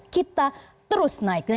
kita terus naik